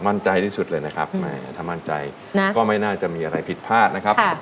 มั่นใจที่สุดเลยนะครับถ้ามั่นใจก็ไม่น่าจะมีอะไรผิดพลาดนะครับ